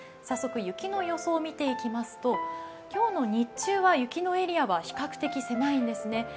早速、雪の予想を見ていきますと今日の日中は雪のエリアは比較的狭いんですね。